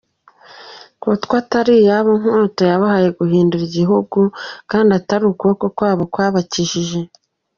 Kuko atari iyabo nkota yabahaye guhindūra igihugu, Kandi atari ukuboko kwabo kwabakijije.